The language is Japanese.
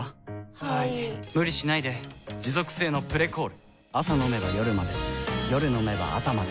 はい・・・無理しないで持続性の「プレコール」朝飲めば夜まで夜飲めば朝まで